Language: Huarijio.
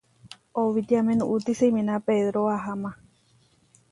Owítiame nuúti siminá Pedró aháma.